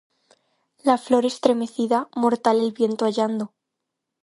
La flor estremecida, mortal el viento hallando